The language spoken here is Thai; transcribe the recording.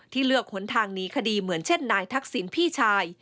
เลือกหนทางหนีคดีเหมือนเช่นนายทักษิณพี่ชาย